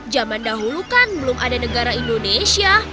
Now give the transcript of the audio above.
zaman dahulu kan belum ada negara indonesia